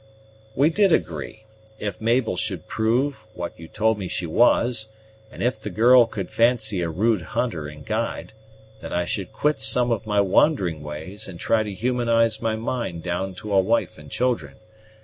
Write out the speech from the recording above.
"We did agree, if Mabel should prove what you told me she was, and if the girl could fancy a rude hunter and guide, that I should quit some of my wandering ways, and try to humanize my mind down to a wife and children.